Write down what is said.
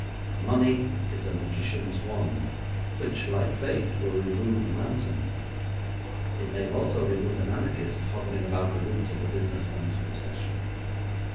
Money is a magician's wand, which, like faith, will remove mountains. It may also remove an anarchist hovering about the route of a business man's procession.'